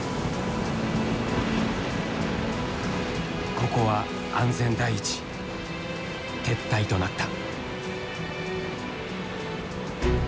ここは安全第一撤退となった。